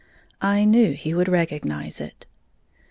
I knew he would recognize it!